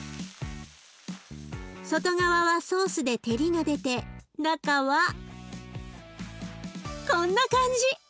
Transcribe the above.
外側はソースで照りが出て中はこんな感じ！